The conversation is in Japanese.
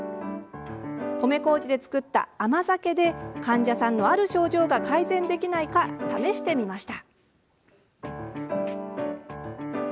米こうじで造った甘酒で患者さんのある症状が改善できないか試してみました。